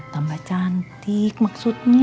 tambah cantik maksudnya